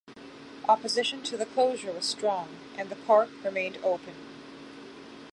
Opposition to the closure was strong, and the park remained open.